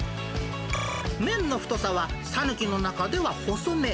麺の太さは讃岐の中では細め。